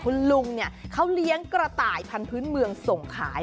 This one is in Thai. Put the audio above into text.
คุณลุงเนี่ยเขาเลี้ยงกระต่ายพันธุ์เมืองส่งขาย